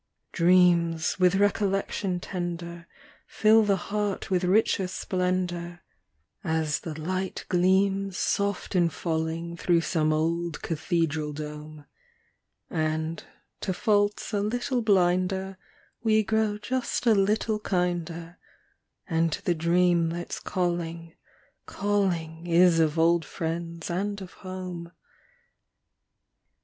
D REAMS \9ith recollection tender Fill the Heart Ntfith richer ' splendor, As the light gleams soft in jullinq Through some ola cathedral dome ; And, to faults a little blinder, ADe gt'oxtf just a little hinder, And the dream that's call inq, calling , old friends and o home.